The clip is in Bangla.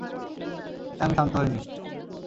এতে আমি শান্ত হইনি।